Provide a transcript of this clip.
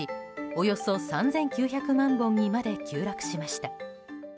およそ３９００万本にまで急落しました。